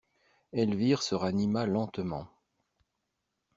Elvire se ranima lentement.